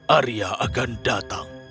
arya akan datang